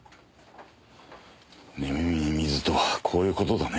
寝耳に水とはこういう事だね。